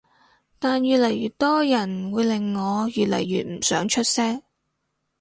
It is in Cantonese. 但越嚟越多人會令我越嚟越唔想出聲